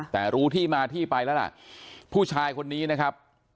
แต่รู้ที่มาที่ไปแล้วล่ะผู้ชายคนนี้นะครับ